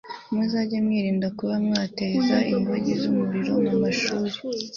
muzage mwirinda kuba mwateza inkongi z'umuriro mu mashuri